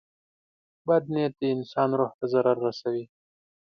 • بد نیت د انسان روح ته ضرر رسوي.